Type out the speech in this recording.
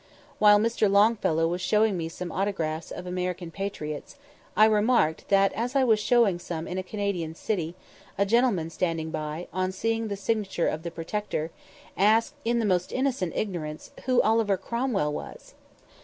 While Mr. Longfellow was showing me some autographs of American patriots, I remarked that as I was showing some in a Canadian city, a gentleman standing by, on seeing the signature of the Protector, asked, in the most innocent ignorance, who Oliver Cromwell was?